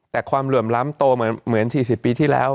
แต่ความเหลื่อมล้ำโตเหมือน๔๐ปีที่แล้ว